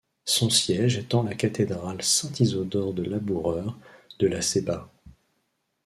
Son siège est en la cathédrale Saint-Isidore-le-Laboureur de La Ceiba.